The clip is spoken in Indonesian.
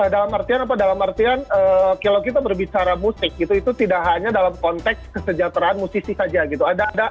dalam artian apa dalam artian kalau kita berbicara musik gitu itu tidak hanya dalam konteks kesejahteraan musisi saja gitu